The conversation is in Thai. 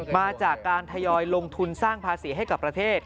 มาจากการทยอยลงทุนสร้างภาษีให้กับประเทศ